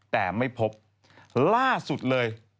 แต่ไม่พบล่าสุดเลย